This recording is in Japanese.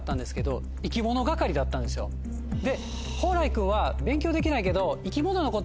「蓬莱君は勉強できないけど」。